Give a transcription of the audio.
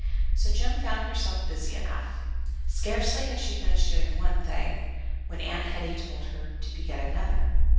So Jem found herself busy enough. Scarcely had she finished doing one thing, when Aunt Hetty told her to begin another.